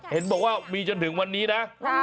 เห็นบอกว่ามีจนถึงวันนี้นะ